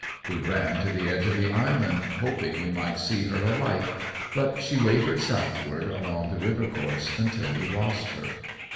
We ran to the edge of the island, hoping we might see her alight, but she wavered southward along the rivercourse until we lost her.